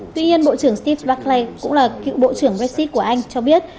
tuy nhiên bộ trưởng steve barclay cũng là cựu bộ trưởng brexit của anh cho biết